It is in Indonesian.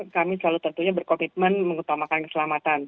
kami selalu tentunya berkomitmen mengutamakan keselamatan